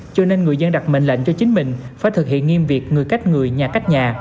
cho nên người dân đặt mệnh lệnh cho chính mình phải thực hiện nghiêm việc người cách người nhà cách nhà